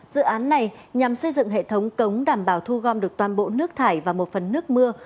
dự án này nhằm xây dựng hệ thống cống đảm bảo thu gom được toàn bộ nước thải và một phần nước mưa